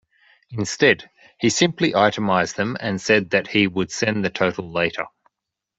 Instead, he simply itemised them, and said that he would send the total later.